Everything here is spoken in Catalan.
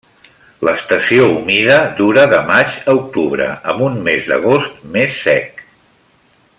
L'estació humida dura de maig a octubre, amb un mes d'agost més sec.